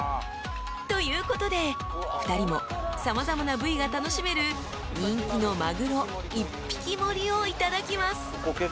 ［ということで２人も様々な部位が楽しめる人気の鮪一匹盛りをいただきます］